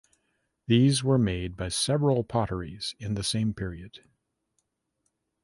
These were made by several potteries in the same period.